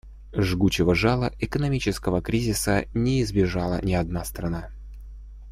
Жгучего жала экономического кризиса не избежала ни одна страна.